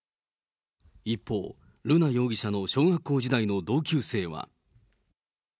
一方、瑠奈容疑者の小学校時代の同級生は。